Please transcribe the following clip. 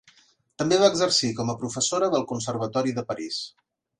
També va exercir com a professora del Conservatori de París.